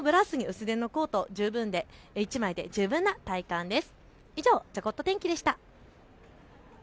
私もブラウスに薄手のコート、１枚で十分な体感です。